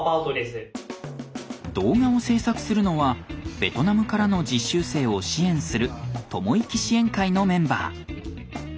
動画を制作するのはベトナムからの実習生を支援するともいき支援会のメンバー。